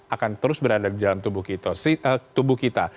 akan terus berada di dalam tubuh kita